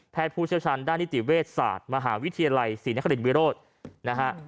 ผู้เชี่ยวชาญด้านนิติเวชศาสตร์มหาวิทยาลัยศรีนครินวิโรธนะฮะ